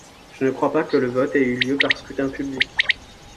Je ne crois pas que le vote ait eu lieu par scrutin public.